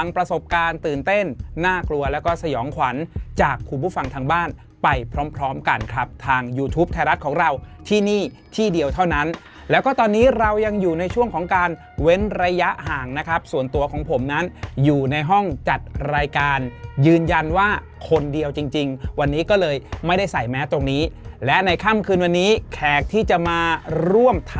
ประสบการณ์ตื่นเต้นน่ากลัวแล้วก็สยองขวัญจากคุณผู้ฟังทางบ้านไปพร้อมพร้อมกันครับทางยูทูปไทยรัฐของเราที่นี่ที่เดียวเท่านั้นแล้วก็ตอนนี้เรายังอยู่ในช่วงของการเว้นระยะห่างนะครับส่วนตัวของผมนั้นอยู่ในห้องจัดรายการยืนยันว่าคนเดียวจริงวันนี้ก็เลยไม่ได้ใส่แม้ตรงนี้และในค่ำคืนวันนี้แขกที่จะมาร่วมท